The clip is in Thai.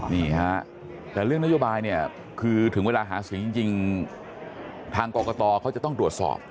นี่ฮะแต่เรื่องนโยบายเนี่ยคือถึงเวลาหาเสียงจริงทางกรกตเขาจะต้องตรวจสอบ